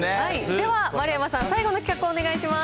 では丸山さん、最後の企画をお願いします。